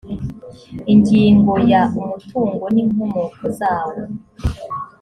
ingingo ya umutungo n inkomoko zawo